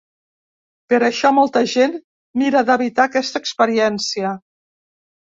Per això, molta gent mira d’evitar aquesta experiència.